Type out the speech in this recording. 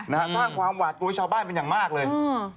นะฮะสร้างความหวาดกลัวให้ชาวบ้านเป็นอย่างมากเลยอืม